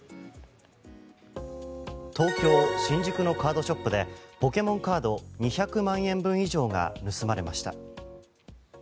東京・新宿のカードショップでポケモンカード２００万円分以上が盗まれました。